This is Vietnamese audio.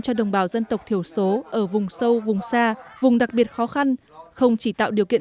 cho đồng bào dân tộc thiểu số ở vùng sâu vùng xa vùng đặc biệt khó khăn không chỉ tạo điều kiện